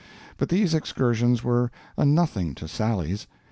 But these excursions were a nothing to Sally's.